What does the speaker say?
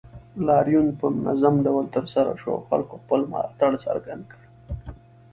لاریون په منظم ډول ترسره شو او خلکو خپل ملاتړ څرګند کړ